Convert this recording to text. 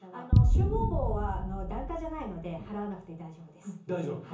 集合墓は檀家じゃないので払わなくて大丈夫です。